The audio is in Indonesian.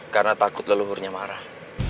karena takut leluhurnya marah